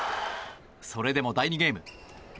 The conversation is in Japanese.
それでも第２ゲーム。